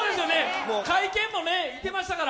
会見も行ってましたから。